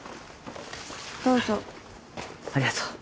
どうぞ。